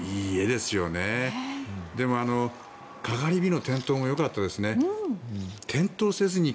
でもかがり火の点灯もよかったですね。